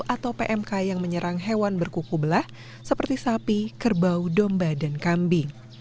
atau pmk yang menyerang hewan berkuku belah seperti sapi kerbau domba dan kambing